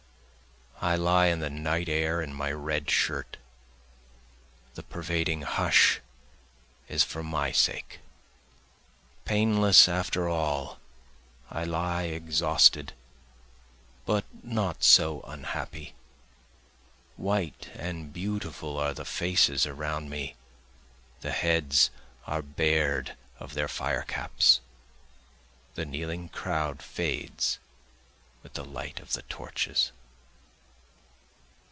I lie in the night air in my red shirt, the pervading hush is for my sake, Painless after all I lie exhausted but not so unhappy, White and beautiful are the faces around me, the heads are bared of their fire caps, The kneeling crowd fades with the light of the torches.